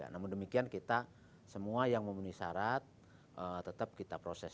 namun demikian kita semua yang memenuhi syarat tetap kita proses